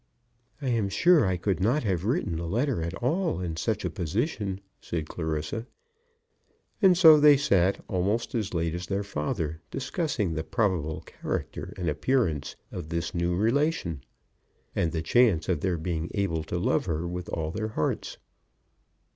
"I am sure I could not have written a letter at all in such a position," said Clarissa. And so they sat, almost as late as their father, discussing the probable character and appearance of this new relation, and the chance of their being able to love her with all their hearts.